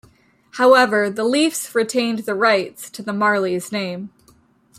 However, the Leafs retained the rights to the Marlies name.